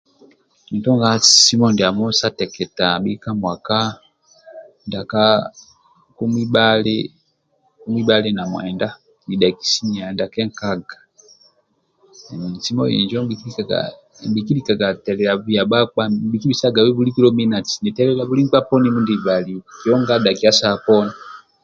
Ndie nisumba simu ndiamo ndia sa teketa abhi ka muaka ndiaka nkumi bhali na mwenda ninidhaki sinia ndia kenkaga simu injo nibhikilikaga telilia bia bhakpa nibhi kibisagabe bulikolo minatisi nitelilia buli bkpa mindie nimbalio kionga dhakia saha poni